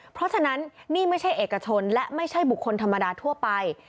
เพราะฉะนั้นนี่ไม่ใช่เอกชนและไม่ใช่บุคคลธรรมดาทั่วไป